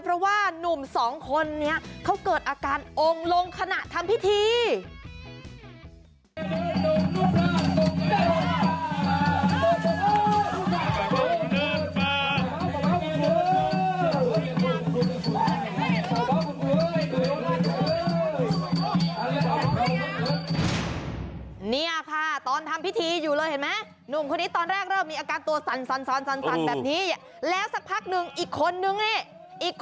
เพราะว่านุ่มสองคนนี้เขาเกิดอาการองค์ลงขณะทำพิธี